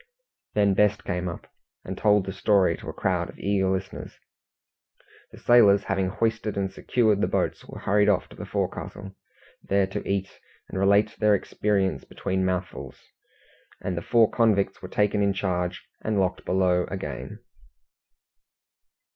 Then Best came up, and told the story to a crowd of eager listeners. The sailors having hoisted and secured the boats, were hurried off to the forecastle, there to eat, and relate their experience between mouthfuls, and the four convicts were taken in charge and locked below again.